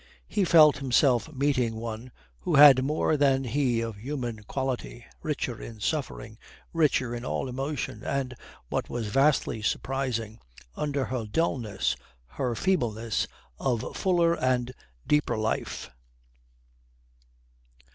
He felt himself meeting one who had more than he of human quality, richer in suffering, richer in all emotion, and (what was vastly surprising) under her dullness, her feebleness, of fuller and deeper life.